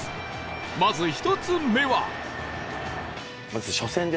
まず１つ目は